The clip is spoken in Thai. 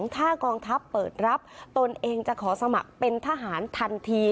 ถ้ากองทัพเปิดรับตนเองจะขอสมัครเป็นทหารทันที